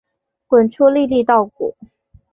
滚出粒粒稻谷